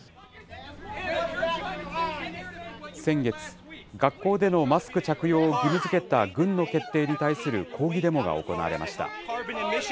先月、学校でのマスク着用を義務づけた郡の決定に対する抗議デモが行われました。